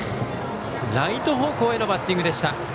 ライト方向へのバッティング。